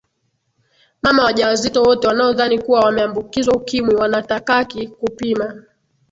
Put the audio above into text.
mama wajawazito wote wanaodhani kuwa wameambukizwa ukimwi wanatakaki kupima